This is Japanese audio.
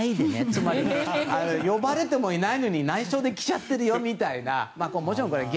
つまり呼ばれてもいないのに内緒で来ちゃってるみたいな。